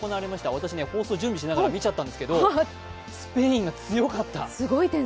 私、放送準備しながら見ちゃったんですけど、スペインが強かった。